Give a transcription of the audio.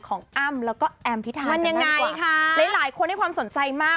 ของแล้วก็ทันวันยังไงค่ะหลายหลายคนได้ความสนใจมาก